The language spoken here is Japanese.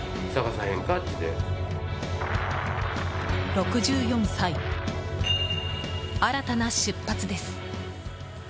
６４歳、新たな出発です。